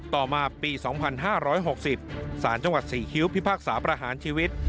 ต่อมาปี๒๕๖๐สารจังหวัดศรีคิ้วพิพากษาประหารชีวิต